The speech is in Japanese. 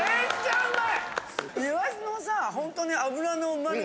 うまい。